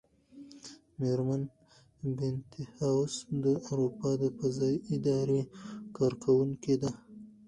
مېرمن بینتهاوس د اروپا د فضايي ادارې کارکوونکې ده.